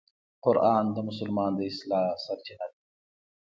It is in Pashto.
قرآن د مسلمان د اصلاح سرچینه ده.